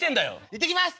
行ってきます！